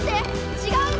違うんだ！